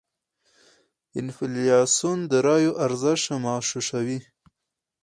انفلاسیون داراییو ارزش مغشوشوي.